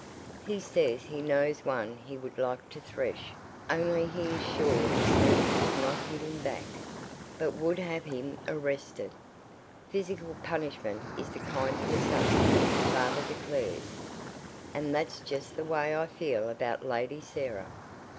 He says he knows one he would like to thresh only he is sure the sneak would not hit him back, but would have him arrested. Physical punishment is the kind for such, father declares. And that's just the way I feel about Lady Sarah.